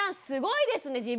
すごいですね。